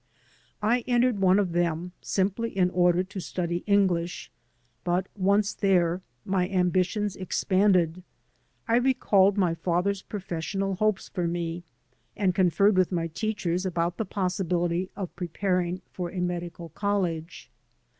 I entered one of them simply in order to study English; but, once there, my ambitions expanded. I recalled my father's professional hopes for me, and conferred with my teachers about the possibility of 175 AN AMERICAN IN THE MAKING preparing for a medical college.